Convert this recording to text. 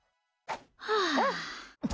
はあ。